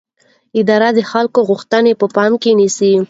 اداره د خلکو غوښتنې په پام کې نیسي.